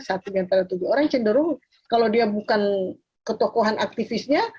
satu di antara tujuh orang cenderung kalau dia bukan ketokohan aktivisnya